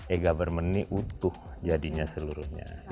e government ini utuh jadinya seluruhnya